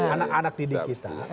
anak anak didik kita